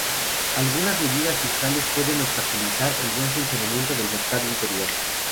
Algunas medidas fiscales pueden obstaculizar el buen funcionamiento del mercado interior.